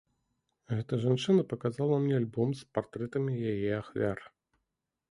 Гэта жанчына паказала мне альбом з партрэтамі яе ахвяр.